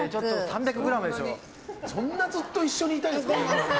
そんなずっと一緒にいたいんですか？